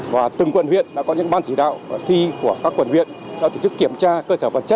và từng quận huyện đã có những ban chỉ đạo và thi của các quận huyện đã tổ chức kiểm tra